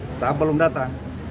staff belum datang